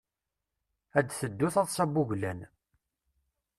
Ad tebdu taḍsa n wuglan.